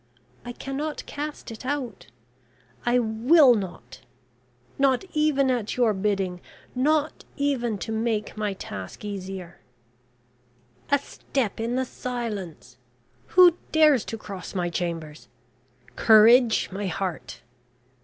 I cannot cast it out. I will not; not even at your bidding; not even to make my task easier. "A step in the silence... Who dares to cross my chambers? Courage, my heart.